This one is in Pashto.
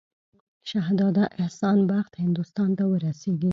شهزاده احسان بخت هندوستان ته ورسیږي.